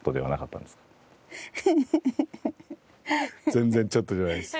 全然ちょっとじゃないです。